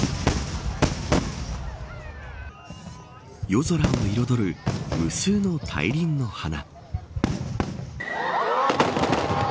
夜空を彩る無数の大輪の花。